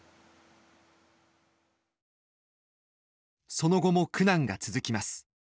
その後も苦難が続きます。